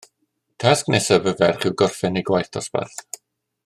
Tasg nesaf y ferch yw gorffen ei gwaith dosbarth